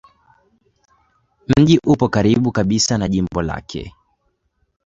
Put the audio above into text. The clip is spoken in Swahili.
Mji upo karibu kabisa na jimbo lake.